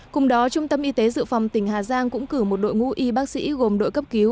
cùng đó trung tâm y tế dự phòng tỉnh hà giang cũng cử một đội ngũ y bác sĩ gồm đội cấp cứu